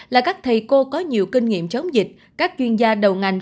là các thầy cô có nhiều kinh nghiệm chống dịch các chuyên gia đầu ngành